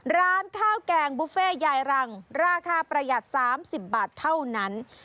ร้านข้าวแกงบุฟเฟ่ยายรังราคาประหยัด๓๐บาทเท่านั้น